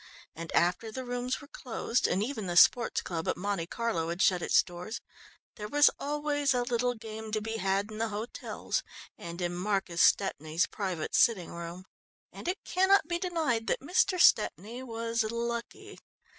And after the rooms were closed, and even the Sports Club at Monte Carlo had shut its doors, there was always a little game to be had in the hotels and in Marcus Stepney's private sitting room. And it cannot be denied that Mr. Stepney was lucky.